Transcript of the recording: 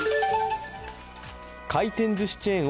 回転ずしチェーン